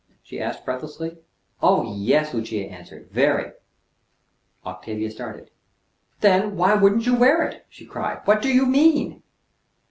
she asked breathlessly. "Oh, yes!" Lucia answered. "Very." Octavia started. "Then, why wouldn't you wear it?" she cried. "What do you mean?"